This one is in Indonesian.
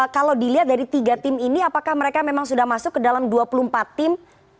kalau dilihat dari tiga tim ini apakah mereka memang sudah masuk ke dalam dua puluh empat tim